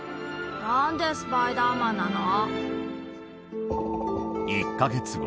何でスパイダーマンなの？